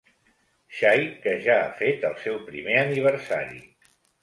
Xai que ja ha fet el seu primer aniversari.